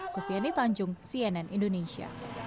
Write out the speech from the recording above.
sonjung cnn indonesia